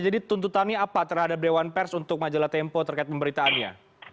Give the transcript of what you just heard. jadi tuntutannya apa terhadap dewan pers untuk majalah tmpo terkait pemberitaannya